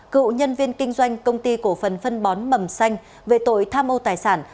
cựu nhân viên kinh doanh công ty cổ phần phân bón mầm xanh về tội tham ô tài sản